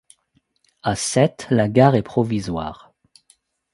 À Sète la gare est provisoire.